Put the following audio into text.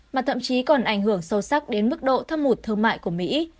mà thậm chí còn ảnh hưởng sâu sắc đến mức độ thâm hụt thương mại của mỹ